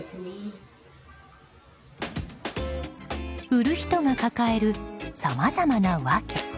売る人が抱えるさまざまな訳。